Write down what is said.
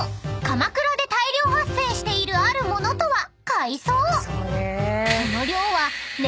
鎌倉で大量発生しているある物とは海藻］